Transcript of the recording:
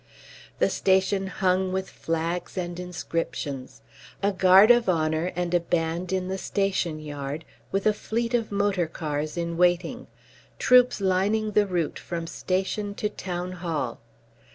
The station hung with flags and inscriptions. A guard of honour and a band in the station yard, with a fleet of motor cars in waiting. Troops lining the route from station to Town Hall.